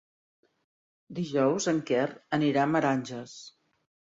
Dijous en Quer anirà a Meranges.